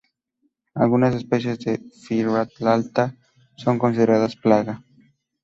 Algunas especies de "Pyrrhalta" son consideradas plaga.